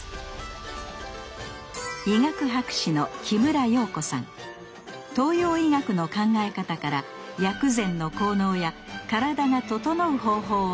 医学博士の東洋医学の考え方から薬膳の効能や体がととのう方法を教わります